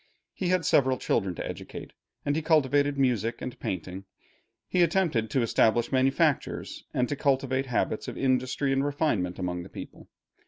He had several children to educate, and he cultivated music and painting. He attempted to establish manufactures, and to cultivate habits of industry and refinement among the people.